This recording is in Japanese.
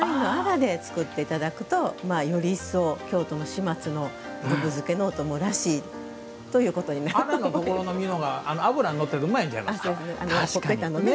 作っていただくとより一層、京都の始末のぶぶ漬けのお供らしいということのになりますね。